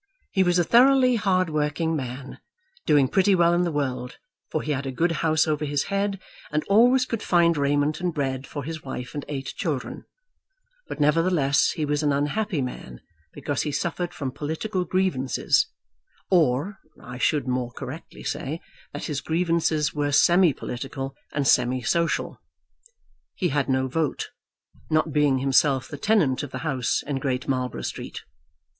He was a thoroughly hard working man, doing pretty well in the world, for he had a good house over his head, and always could find raiment and bread for his wife and eight children; but, nevertheless, he was an unhappy man because he suffered from political grievances, or, I should more correctly say, that his grievances were semi political and semi social. He had no vote, not being himself the tenant of the house in Great Marlborough Street.